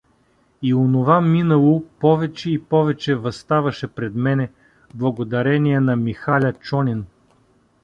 И онова минало повече и повече въставаше пред мене благодарение на Михаля Чонин.